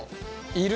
いる？